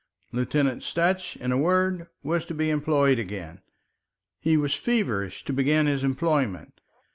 Lieutenant Sutch, in a word, was to be employed again. He was feverish to begin his employment.